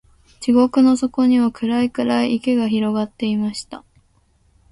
地獄の底には、暗い暗い池が広がっていました。